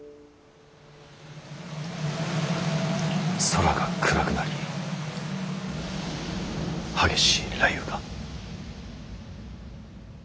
空が暗くなり激しい雷雨が。